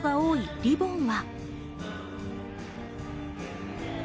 リ・ボ・ン』は。